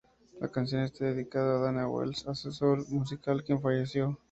La canción está dedicado a Dana Wells, asesor musical quien falleció.